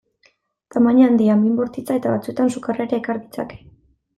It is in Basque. Tamaina handia, min bortitza eta batzuetan sukarra ere ekar ditzake.